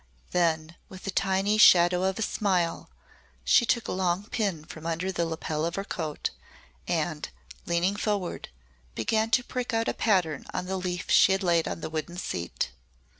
Then, with a tiny shadow of a smile, she took a long pin from under the lapel of her coat and, leaning forward, began to prick out a pattern on the leaf she had laid on the wooden seat.